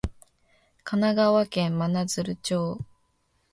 神奈川県真鶴町